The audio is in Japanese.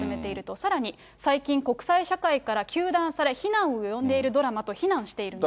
さらに、最近、国際社会から糾弾され、非難を呼んでいるドラマと非難しているんです。